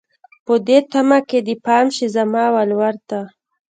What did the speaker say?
په دې تمه که دې پام شي زما ولور ته